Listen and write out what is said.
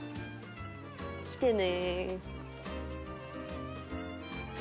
来てね！